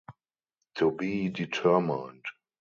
To be determined.